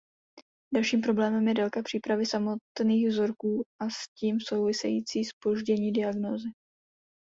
Dalším problémem je délka přípravy samotných vzorků a s tím související zpoždění diagnózy.